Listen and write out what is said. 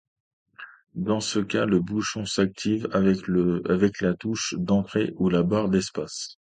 Dans ce cas, le bouton s'active avec la touche d'entrée ou la barre d'espace.